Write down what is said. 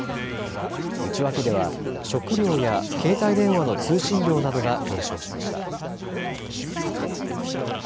内訳では食料や携帯電話の通信料などが減少しました。